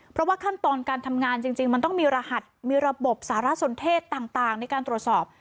เพราะว่าขั้นตอนการทำงานจริงมันต้องมีรหัสมีระบบสารสนเทศต่างในการตรวจสอบ